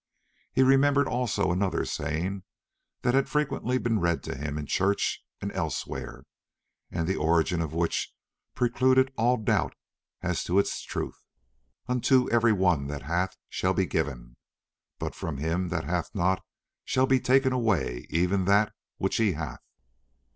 He remembered also another saying that had frequently been read to him in church and elsewhere, and the origin of which precluded all doubt as to its truth:— "Unto every one that hath shall be given, but from him that hath not shall be taken away even that which he hath."